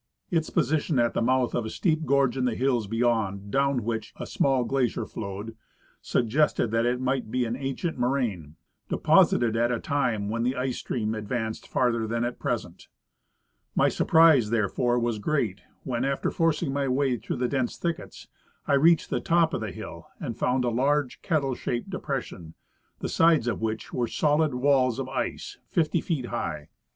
Its position at the mouth of a steep gorge in the hills beyond, cloAvn Avliich a small glacier flowed, suggested that it might be an ancient moraine, deposited at a time when the ice stream ach'anced farther than at present. My surprise therefore was great when, after forcing mv way through the dense thickets, I reached the top of the hill, and found a large kettle shaped de pression, the sides of which were solid avails of ice fifty feet high.